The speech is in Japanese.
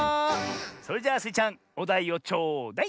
それじゃあスイちゃんおだいをちょうだい！